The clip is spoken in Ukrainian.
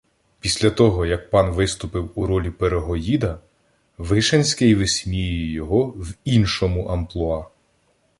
Після того, як пан виступив у ролі пирогоїда, Вишенський висміює його в іншому "амплуа":